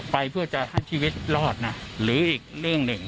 ไปเพื่อจะให้ชีวิตรอดนะหรืออีกเรื่องหนึ่ง